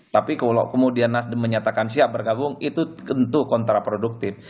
tapi kalau kemudian nasdem menyatakan siap bergabung itu tentu kontraproduktif